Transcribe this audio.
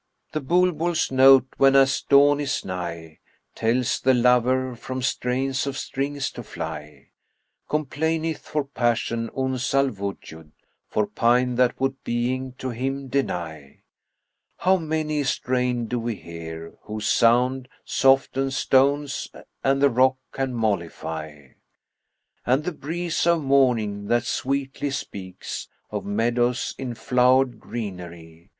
"The Bulbul's note, whenas dawn is nigh, * Tells the lover from strains of strings to fly: Complaineth for passion Uns al Wujud, * For pine that would being to him deny. How many a strain do we hear, whose sound * Softens stones and the rock can mollify: And the breeze of morning that sweetly speaks * Of meadows in flowered greenery.